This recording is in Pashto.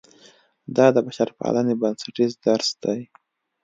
دا د بشرپالنې بنسټیز درس دی.